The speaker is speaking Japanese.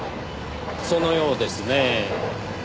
そのようですねぇ。